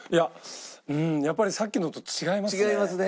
うんやっぱりさっきのと違いますね。